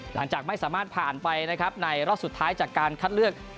หลังจากไม่สามารถผ่านไปนะครับในรอบสุดท้ายจากการคัดเลือก